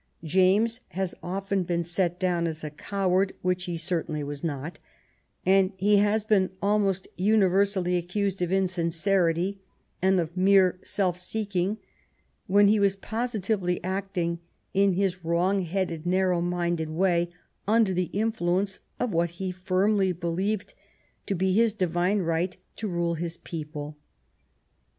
James has often been set down as a coward, which he certainly was not, and he has been almost uni versally accused of insincerity and of mere self seeking, when he was positively acting in his wrong headed, nar row minded way under the influence of what he firmly believed to be his divine right to rule his people.